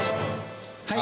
はい。